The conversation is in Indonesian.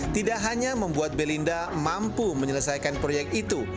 tidak hanya membuat belinda mampu menyelesaikan proyek itu